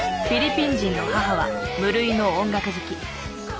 フィリピン人の母は無類の音楽好き。